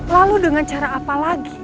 lalu dengan cara apa lagi